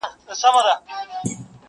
سرکار وايی لا اوسی خامخا په کرنتین کي!